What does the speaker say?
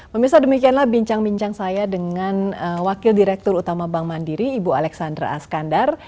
pemirsa demikianlah bincang bincang saya dengan wakil direktur utama bank mandiri ibu alexandra askandar